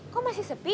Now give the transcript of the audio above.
kok masih sepi